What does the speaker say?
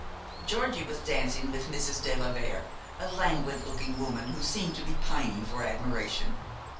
Georgie was dancing with Mrs. de la Vere, a languid looking woman who seemed to be pining for admiration.